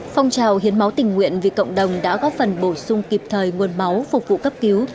phong trào hiến máu tình nguyện vì cộng đồng đã góp phần bổ sung kịp thời nguồn máu phục vụ cấp cứu